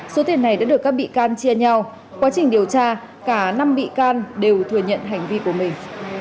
số tiền này đã được các bị can chia nhau quá trình điều tra cả năm bị can đều thừa nhận hành vi của mình